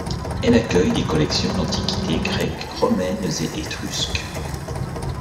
Elle accueille des collections d'antiquités grecques, romaines et étrusques.